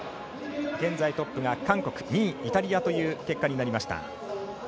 １位韓国、２位イタリアという結果になりました。